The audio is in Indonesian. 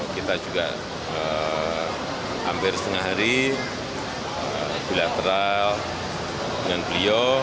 kita juga hampir setengah hari bilateral dengan beliau